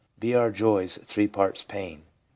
Be our joys three parts pain !